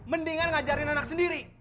mendingan ngajarin anak sendiri